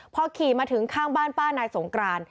พอขี่มาถึงข้างบ้านป้านายสงกราน